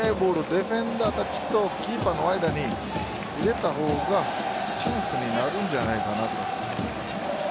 ディフェンダーとキーパーの間に入れた方が、チャンスになるんじゃないかなと。